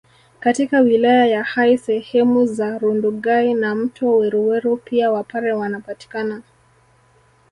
Katika wilaya ya Hai sehemu za Rundugai na mto Weruweru pia wapare wanapatikana